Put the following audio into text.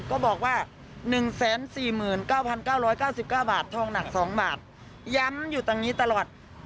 ก็บอกว่า๑๔๙๙๙๙บาททองหนัก๒บาทย้ำอยู่ตรงนี้ตลอด